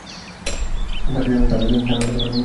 তার খ্যাতি আসে তার মৃত্যুর পর।